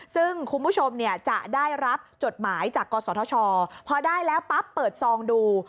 ซึ่งคุณผู้ชมเนี่ยจะได้รับจดหมายจากกศธชพอได้แล้วปั๊บเปิดซองดู